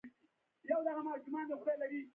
دا غږ د بشریت استازیتوب کوي.